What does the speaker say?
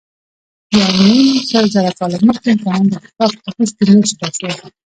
یونیمسلزره کاله مخکې انسانان د افریقا په ختیځ کې مېشته شول.